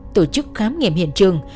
tổ chức khám nghiệm hiện trường